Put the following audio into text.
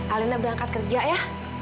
alena udah angkat kerja ya